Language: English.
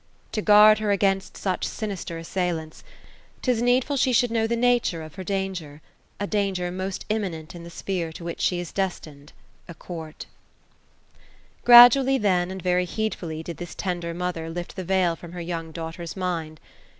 To guard her against such sinister assailants, 'tis needful she should know the nature of her danger; a danger most imminent in the sphere to which she is destined, — a court" Gradually, then, and very heedfully,,did this tender mother lift the veil from her young daughter's mind.